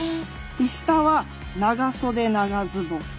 で下は長袖長ズボン。